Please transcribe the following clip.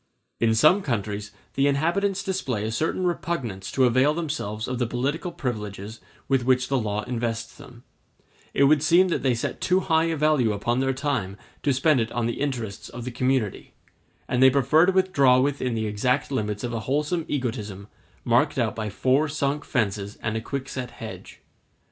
In some countries the inhabitants display a certain repugnance to avail themselves of the political privileges with which the law invests them; it would seem that they set too high a value upon their time to spend it on the interests of the community; and they prefer to withdraw within the exact limits of a wholesome egotism, marked out by four sunk fences and a quickset hedge.